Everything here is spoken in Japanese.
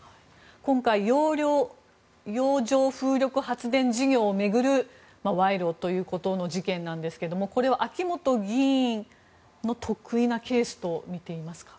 今回洋上風力発電事業を巡る賄賂という事件なんですけどもこれは秋本議員の特異なケースと見ていますか？